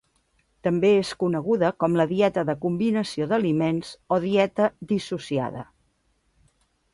També és coneguda com la dieta de combinació d'aliments o dieta dissociada.